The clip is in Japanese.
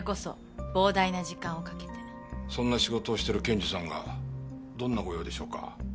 そんな仕事をしている検事さんがどんなご用でしょうか？